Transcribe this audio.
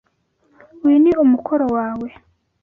Uyu ni umukoro wawe?